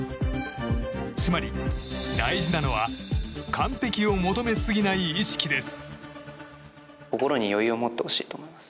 つまり、大事なのは完璧を求めすぎない意識です。